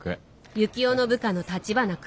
幸男の部下の橘君。